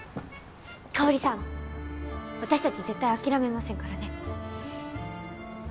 香さん私たち絶対諦めませんからね。